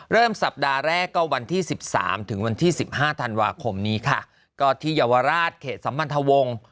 สัปดาห์แรกก็วันที่สิบสามถึงวันที่สิบห้าธันวาคมนี้ค่ะก็ที่เยาวราชเขตสัมพันธวงศ์